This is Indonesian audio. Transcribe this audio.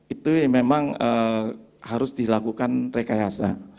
itu memang harus dilakukan rekayasa